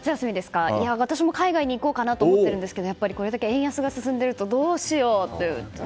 私も海外に行こうかなと思ってるんですがやっぱりこれだけ円安が進んでいるとどうしようってね。